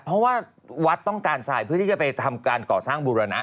เพราะว่าวัดต้องการทรายเพื่อที่จะไปทำการก่อสร้างบูรณะ